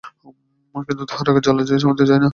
কিন্তু, তাহার রাগের জ্বালা যে থামিতে চায় না।